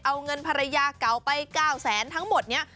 เอาเงินภรรยาเก่าไป๙แสนทั้งหมดนี้